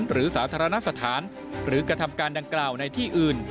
สาธารณสถานหรือกระทำการดังกล่าวในที่อื่น